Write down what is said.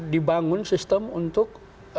dibangun sistem untuk